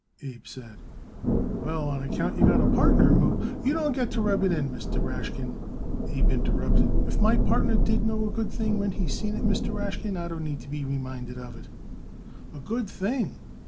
Abe said. "Well, on account you got a partner who " "You don't got to rub it in, Mr. Rashkin," Abe interrupted. "If my partner did know a good thing when he seen it, Mr. Rashkin, I don't need to be reminded of it." "A good thing!"